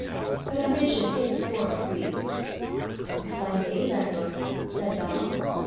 But ambition is a form of greed. "A fine day, landlord!" said Donal.